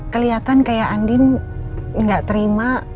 keliatan kayak andin gak terima